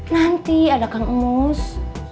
nanti ada kang mus